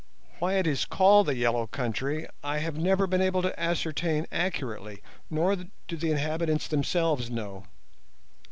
Why it is called the Yellow Country I have never been able to ascertain accurately, nor do the inhabitants themselves know.